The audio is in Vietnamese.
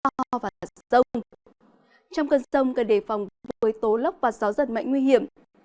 người dân vẫn cần đề phòng với hiện tượng thời tiết cực đoan có thể đi kèm như tố lóc và gió rất mạnh nguy hiểm